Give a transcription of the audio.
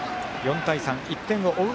４対３、１点を追う